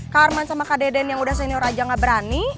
karman sama kak deden yang udah senior aja gak berani